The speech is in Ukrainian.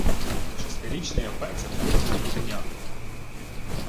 Шестирічний опецьок випнув груденята: